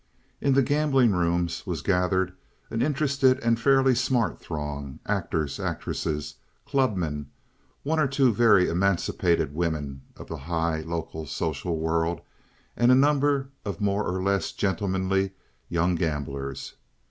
In the gambling rooms was gathered an interested and fairly smart throng—actors, actresses, clubmen, one or two very emancipated women of the high local social world, and a number of more or less gentlemanly young gamblers.